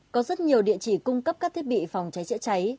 có rất nhiều địa chỉ cung cấp các thiết bị phòng cháy chữa cháy